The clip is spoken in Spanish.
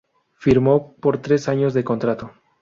Firmó por tres años de contrato.